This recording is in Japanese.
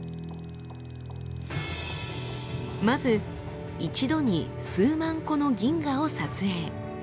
まず一度に数万個の銀河を撮影。